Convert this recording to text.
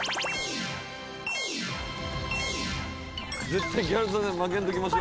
絶対ギャル曽根に負けんときましょ